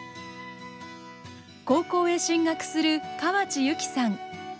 高校へ進学する河内優希さん。